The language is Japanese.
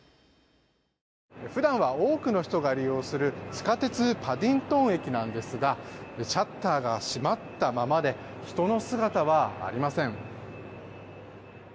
普段は多くの人が利用する地下鉄パディントン駅ですがシャッターが閉まったままで人の姿はありません。